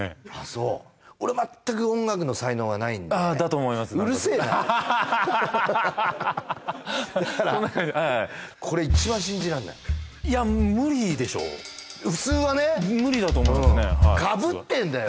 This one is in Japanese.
そう俺全く音楽の才能がないんでだと思いますうるせえなだからこれ一番信じらんないいや無理でしょう普通はね無理だと思いますねかぶってんだよ